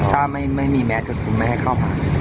ถ้าไม่มีแมสก็คงไม่ให้เข้ามา